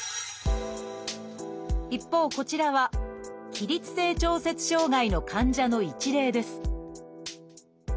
一方こちらは起立性調節障害の患者の一例です